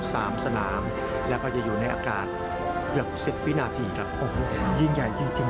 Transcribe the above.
สนามแล้วก็จะอยู่ในอากาศเกือบสิบวินาทีครับโอ้โหยิ่งใหญ่จริงจริง